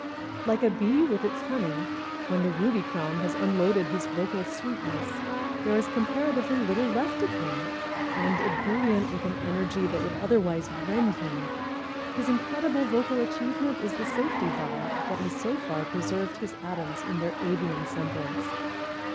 _ Like a bee with its honey, when the Ruby crown has unloaded his vocal sweetness, there is comparatively little left of him, and, ebullient with an energy that would otherwise rend him, his incredible vocal achievement is the safety valve that has so far preserved his atoms in their Avian semblance.